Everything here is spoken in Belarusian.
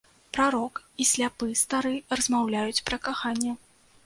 Прарок і сляпы стары размаўляюць пра каханне.